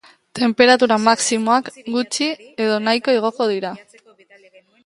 Tenperatura maximoak gutxi edo nahiko igoko dira.